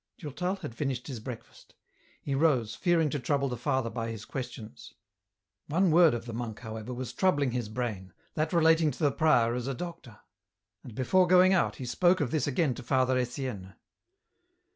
Durtal had finished his breakfast. He rose, fearing to trouble th^ father by his questions, 214 EN ROUTE. One word of the monk, however, was troubling his brain, that relating to the prior as a doctor ; and before going out he spoke of this again to Father Etienne.